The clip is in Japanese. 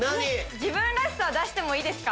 自分らしさ出してもいいですか？